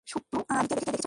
শুটু আর তানিকে দেখেছ?